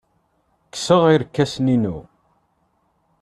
Kkseɣ irkasen-inu.